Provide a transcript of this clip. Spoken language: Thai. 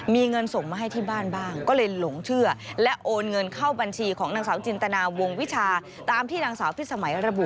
มีเงินส่งมาให้ที่บ้านบ้างก็เลยหลงเชื่อและโอนเงินเข้าบัญชีของนางสาวจินตนาวงวิชาตามที่นางสาวพิษสมัยระบุ